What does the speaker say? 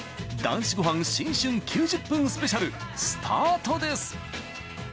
「男子ごはん新春９０分スペシャル」スタートです。